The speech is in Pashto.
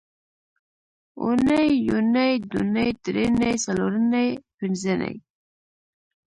اونۍ یونۍ دونۍ درېنۍ څلورنۍ پینځنۍ